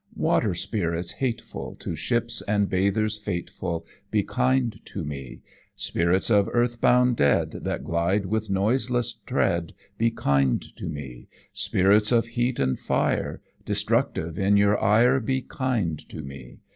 "Water spirits hateful, To ships and bathers fateful, Be kind to me. "Spirits of earthbound dead That glide with noiseless tread, Be kind to me. "Spirits of heat and fire, Destructive in your ire, Be kind to me.